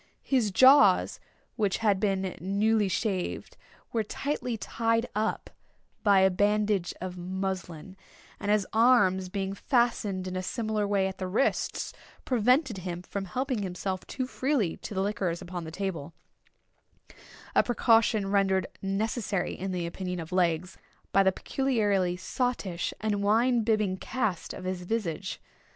His jaws, which had been newly shaved, were tightly tied up by a bandage of muslin; and his arms being fastened in a similar way at the wrists, prevented him from helping himself too freely to the liquors upon the table; a precaution rendered necessary, in the opinion of Legs, by the peculiarly sottish and wine bibbing cast of his visage.